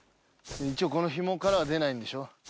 一応このひもからは出ないんでしょ。